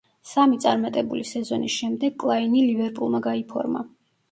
სამი წარმატებული სეზონის შემდეგ კლაინი „ლივერპულმა“ გაიფორმა.